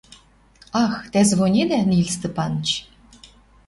Ах, тӓ звонедӓ, Нил Степаныч?